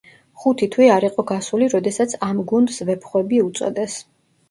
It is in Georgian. ხუთი თვე არ იყო გასული, როდესაც ამ გუნდს „ვეფხვები“ უწოდეს.